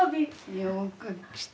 よく来た。